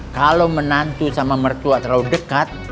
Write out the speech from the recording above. kalau menantu sama mertua terlalu dekat